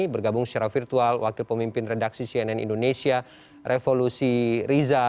bergabung secara virtual wakil pemimpin redaksi cnn indonesia revolusi riza